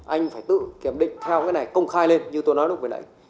anh phải tự kiểm định theo cái này công khai lên như tôi nói lúc nãy